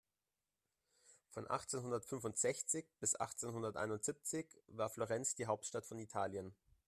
Von achtzehnhundertfünfundsechzig bis achtzehnhunderteinundsiebzig war Florenz die Hauptstadt von Italien.